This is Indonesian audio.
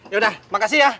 yaudah makasih ya